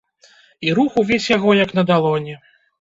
І рух увесь яго як на далоні.